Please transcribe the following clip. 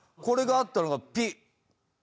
これがあったのがピッ。